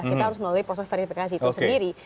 kita harus melalui proses verifikasi itu sendiri